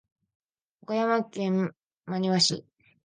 岡山県真庭市